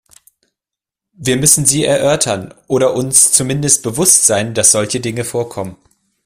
Wir müssen sie erörtern oder uns zumindest bewusst sein, dass solche Dinge vorkommen.